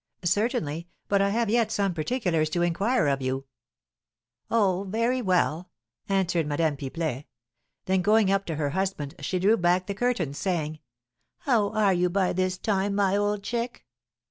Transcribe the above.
"Certainly; but I have yet some particulars to inquire of you." "Oh, very well," answered Madame Pipelet. Then going up to her husband, she drew back the curtains, saying, "How are you by this time, my old chick?